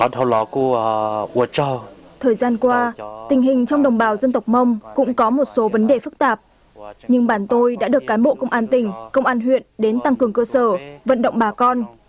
thời gian qua tình hình trong đồng bào dân tộc mông cũng có một số vấn đề phức tạp nhưng bản tôi đã được cán bộ công an tỉnh công an huyện đến tăng cường cơ sở vận động bà con